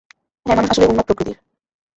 হ্যাঁ, মানুষ আসলেই উন্মাদ প্রকৃতির।